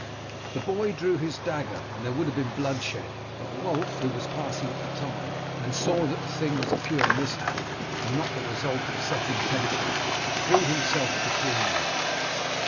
The boy drew his dagger, and there would have been blood shed, but Wulf, who was passing at the time, and saw that the thing was a pure mishap and not the result of set intention, threw himself between them.